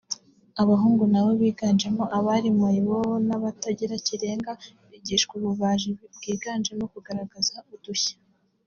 Abahungu na bo biganjemo abari mayibobo n’abatagira kirengera bigishwa ububaji bwiganjemo kugaragaza udushya